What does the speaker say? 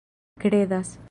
kredas